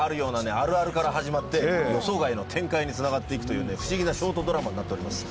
あるあるから始まって、予想外の展開につながっていくというね、不思議なショートドラマになっております。